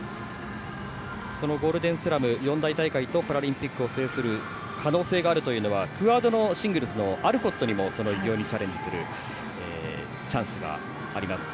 そのゴールデンスラム四大大会とパラリンピックを制する可能性があるというのはクアードのシングルスのアルコットにもその偉業にチャレンジするチャンスがあります。